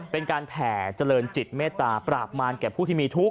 เป็นการแผ่เจริญจิตเมตตาปราบมารแก่ผู้ที่มีทุกข